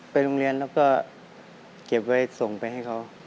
ไปโรงเรียนแล้วก็เก็บไว้ส่งไปให้เขา